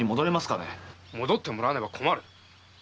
戻ってもらわねば困る。